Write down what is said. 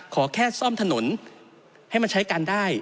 ขอแค่ซ่อมถนนให้มันใช้กันได้